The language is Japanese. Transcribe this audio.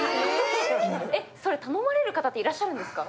それ頼まれる方っているんですか？